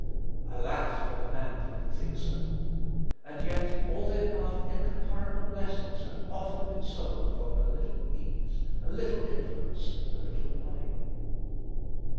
Alas, for the man that can think so! And yet all the above incomparable blessings have been often sold for a little ease, a little influence, a little money.